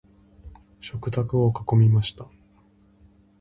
食卓を囲みました。